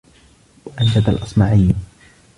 وَأَنْشَدَ الْأَصْمَعِيُّ